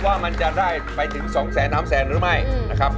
ว่ามันจะได้ไปถึง๒๓แสนหรือไม่นะครับ